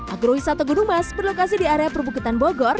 agrowisata gunung mas berlokasi di area perbukitan bogor